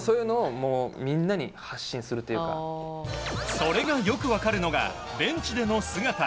それがよく分かるのがベンチでの姿。